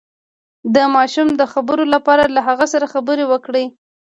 د ماشوم د خبرو لپاره له هغه سره خبرې وکړئ